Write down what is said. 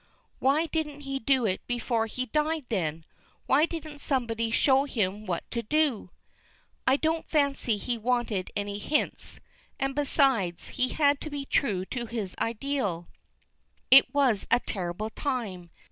"Why didn't he do it before he died then? Why didn't somebody show him what to do?" "I don't fancy he wanted any hints. And besides, he had to be true to his ideal. It was a terrible time.